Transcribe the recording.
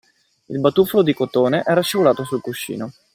Il batuffolo di cotone era scivolato sul cuscino.